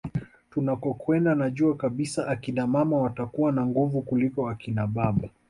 Tunakokwenda najua kabisa akina mama watakuwa na nguvu kuliko akina baba